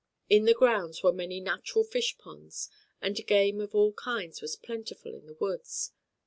In the grounds were many natural fish ponds, and game of all kinds was plentiful in the woods.